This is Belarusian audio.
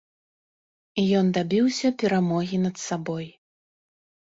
Ён дабіўся перамогі над сабой.